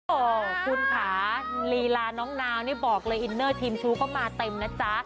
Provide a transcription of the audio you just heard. โอ้โหคุณค่ะลีลาน้องนาวนี่บอกเลยอินเนอร์ทีมชู้ก็มาเต็มนะจ๊ะ